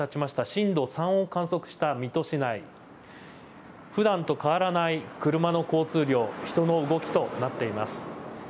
震度３を観測した水戸市内、ふだんと変わらない車の交通量、人の動きとなっています。